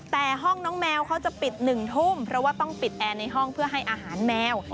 แต่ห้องน้องแมวเขาจะปิด๑ทุ่มเพราะว่าต้องปิดแอร์ในห้องเพื่อให้อาหารแมว